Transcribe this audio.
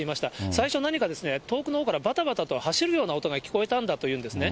最初何か遠くのほうからばたばたと走るような音が聞こえたんだというんですね。